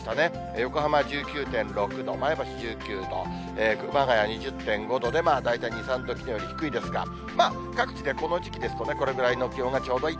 横浜は１９．６度、前橋１９度、熊谷２０．５度で、大体２、３度、きのうより低いですが、各地でこの時期ですと、これぐらいの気温がちょうどいい。